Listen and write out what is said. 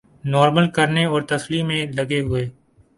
normal کرنے اور تسلی میں لگے ہوئے